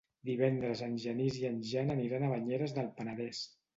Divendres en Genís i en Jan aniran a Banyeres del Penedès.